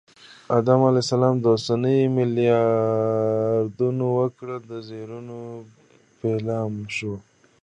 آدم علیه السلام د اوسنیو ملیاردونو وګړو د زېږون پیلامه شوه